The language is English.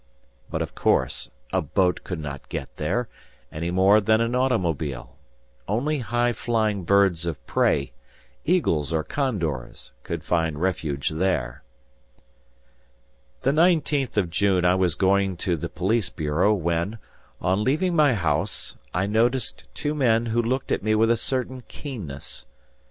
But, of course, a boat could not get there, any more than an automobile. Only high flying birds of prey, eagles or condors, could find refuge there. The nineteenth of June I was going to the police bureau, when, on leaving my house, I noticed two men who looked at me with a certain keenness.